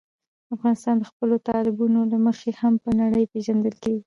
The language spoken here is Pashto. افغانستان د خپلو تالابونو له مخې هم په نړۍ پېژندل کېږي.